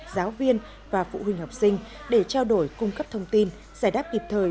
giáo viên và phụ huynh học sinh để trao đổi cung cấp thông tin giải đáp kịp thời